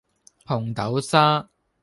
紅豆沙